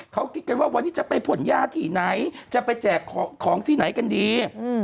เขาคิดกันว่าวันนี้จะไปผลยาที่ไหนจะไปแจกของที่ไหนกันดี